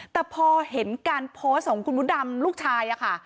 แต่พอเห็นการโพสต์ของคุณมดดำลูกชายค่ะ